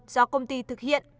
do công ty thực hiện